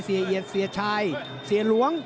เสียเอี๊ยดฯเสียชายเสียหลวงฯ